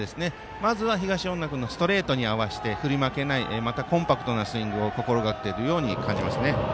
まずは東恩納君のストレートに合わせて振り負けないまた、コンパクトなスイングを心がけているように見えますね。